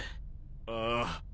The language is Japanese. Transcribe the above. ああ。